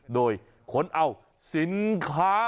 โดยขนเอาสินค้า